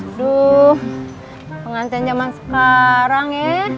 aduh penganten zaman sekarang ya